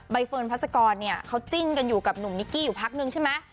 เฟิร์นพัศกรเนี่ยเขาจิ้นกันอยู่กับหนุ่มนิกกี้อยู่พักนึงใช่ไหม